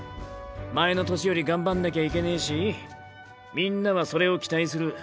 前の年よりがんばんなきゃいけねーしみんなはそれを期待する。